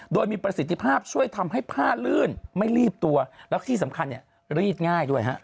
โดยมีประสิทธิภาพช่วยทำให้ผ้าลื่นไม่รีดตัวแล้วที่สำคัญเนี่ยรีดง่ายด้วยฮะ